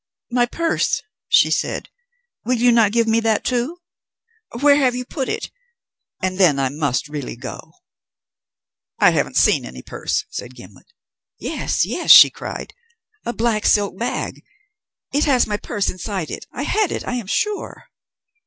"My purse?" she said. "Will you not give me that too? Where have you put it? And then I must really go." "I haven't seen any purse," said Gimblet. "Yes, yes!" she cried. "A black silk bag! It has my purse inside it. I had it, I am sure."